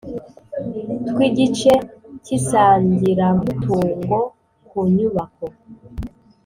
Tw igice cy isangiramutungo ku nyubako